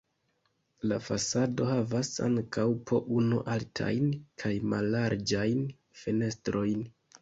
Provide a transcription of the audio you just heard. La fasado havas ankaŭ po unu altajn kaj mallarĝajn fenestrojn.